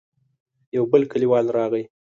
يو بل کليوال راغی.